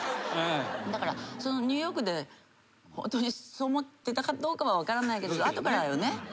だからニューヨークでホントにそう思ってたかどうかは分からないけど後からよね？